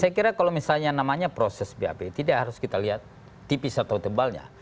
saya kira kalau misalnya namanya proses bap tidak harus kita lihat tipis atau tebalnya